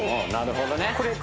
なるほどね